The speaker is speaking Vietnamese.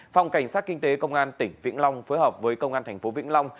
phòng cảnh sát kinh tế công an tỉnh vĩnh long phối hợp với công an thành phố vĩnh long